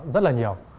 rất là nhiều